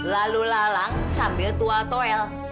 lalu lalang sambil tua toel